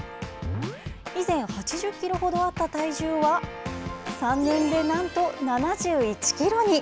以前、８０ｋｇほどあった体重は３年でなんと７１ｋｇに。